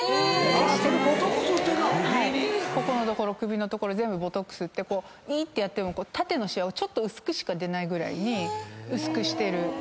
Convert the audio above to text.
ここの所首の所全部ボトックス打っていーってやっても縦のシワをちょっと薄くしか出ないぐらいに薄くしてる。